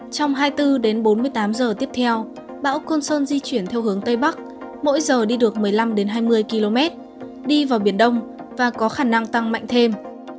trong hai mươi bốn đến bốn mươi tám giờ tiếp theo bão côn sơn di chuyển theo hướng tây bắc mỗi giờ đi được một mươi năm hai mươi km đi vào biển đông và có khả năng tăng mạnh thêm